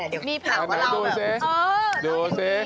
เดี๋ยวแหมอยากจะ